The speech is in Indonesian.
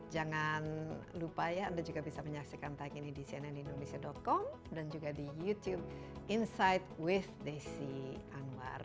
jangan lupa ya anda juga bisa menyaksikan tag ini di cnnindonesia com dan juga di youtube insight with desi anwar